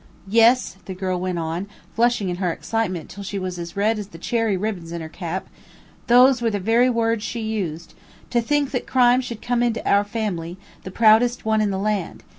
Yes," the girl went on, flushing in her excitement till she was as red as the cherry ribbons in her cap, "those were the very words she used: 'To think that crime should come into our family! the proudest one in the land!